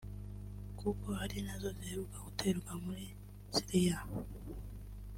kuko ari nazo ziheruka guterwa muri Syria